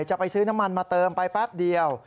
จะไปซื้อน้ำมันมาเติมไปแป๊บเดียว